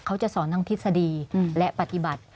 เขาจะสอนทั้งทฤษฎีและปฏิบัติ